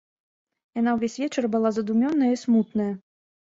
Яна ўвесь вечар была задумёная і смутная.